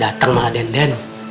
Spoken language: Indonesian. datang mah den den